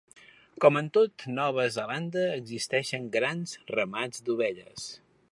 Com en tot Nova Zelanda, existeixen grans ramats d'ovelles.